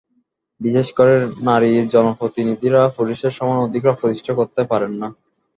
বিশেষ করে নারী জনপ্রতিনিধিরা পুরুষের সমান অধিকার প্রতিষ্ঠা করতে পারেন না।